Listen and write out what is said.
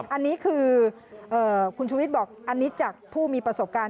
อันนี้คือคุณชูวิทย์บอกอันนี้จากผู้มีประสบการณ์